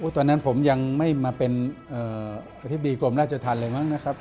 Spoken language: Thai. ตอนนั้นผมยังไม่มาเป็นอธิบดีกรมราชธรรมเลยมั้งนะครับ